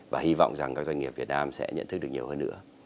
và hy vọng rằng các doanh nghiệp việt nam sẽ nhận thức được nhiều hơn nữa